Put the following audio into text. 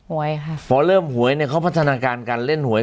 หวยค่ะพอเริ่มหวยเนี่ยเขาพัฒนาการการเล่นหวย